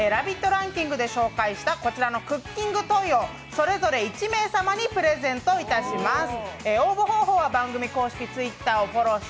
ランキングで紹介したクッキングトイをそれぞれ１名様にプレゼントいたします。